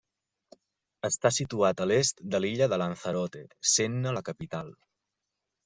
Està situat a l'est de l'illa de Lanzarote, sent-ne la capital.